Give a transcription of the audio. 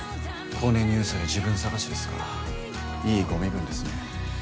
コネ入社で自分探しですかいいご身分ですね。